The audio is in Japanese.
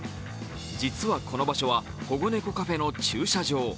実は、この場所は保護ネコカフェの駐車場。